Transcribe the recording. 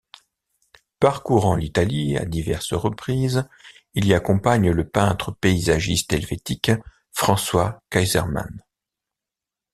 Parcourant l’Italie à diverses reprises, il y accompagne le peintre-paysagiste helvétique François Keiserman.